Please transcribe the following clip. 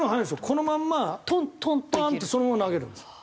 このまんまパン！ってそのまま投げるんです。